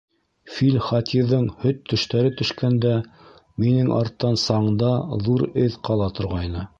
Фил Хатиҙың һөт тештәре төшкәндә, минең арттан саңда ҙур эҙ ҡала торғайны.